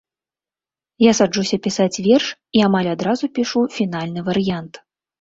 Я саджуся пісаць верш і амаль адразу пішу фінальны варыянт.